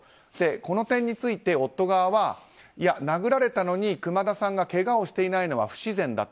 この点について夫側は、殴られたのに熊田さんがけがをしていないのは不自然だと。